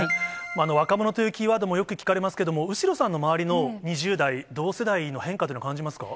若者というキーワードもよく聞かれますけれども、後呂さんの周りの２０代、同世代の変化というのは感じますか？